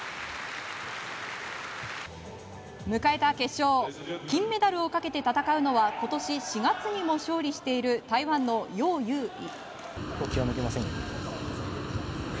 迎えた決勝金メダルをかけて戦うのは今年４月にも勝利している台湾のヨウ・ユウイ。